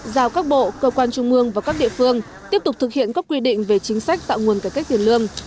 giao các bộ cơ quan trung mương và các địa phương tiếp tục thực hiện các quy định về chính sách tạo nguồn cải cách tiền lương